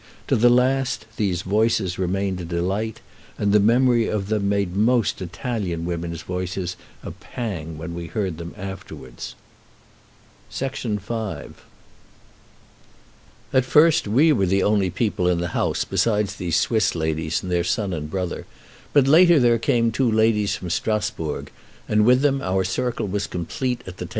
To the last these voices remained a delight, and the memory of them made most Italian women's voices a pang when we heard them afterwards. V At first we were the only people in the house besides these Swiss ladies and their son and brother, but later there came two ladies from Strasburg, and with them our circle was complete at the table and around the evening lamp in the drawing room.